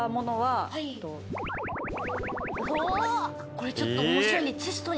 これちょっと面白いんで。